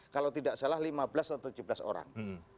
kalau tidak salah lima belas atau tujuh belas orang